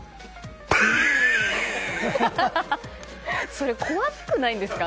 それ、怖くないんですか。